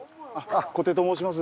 小手と申します。